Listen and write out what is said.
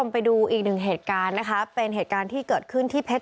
ไปดูอีกหนึ่งเหตุการณ์นะคะเป็นเหตุการณ์ที่เกิดขึ้นที่เพชร